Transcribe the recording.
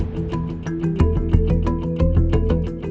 เป็นสิ่งมีบันชาติ